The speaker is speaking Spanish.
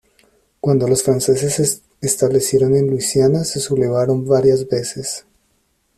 Cuando los franceses se establecieron en Luisiana se sublevaron varias veces.